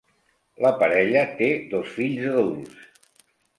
La parella té dos fills adults.